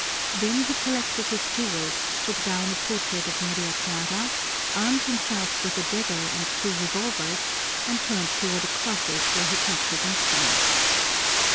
Then he collected his jewels, took clown a portrait of Maria Clara, armed himself with a dagger and two revolvers, and turned toward a closet where he kept his instruments.